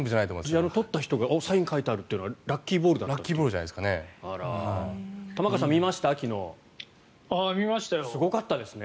とった人がサイン書いてあるというのはラッキーボールなんですかね。